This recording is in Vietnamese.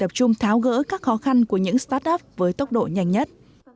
hà nội tập trung tháo gỡ các khó khăn của những start up với tốc độ nhanh nhất